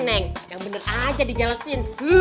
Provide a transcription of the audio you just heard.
jangan bener aja dijelesin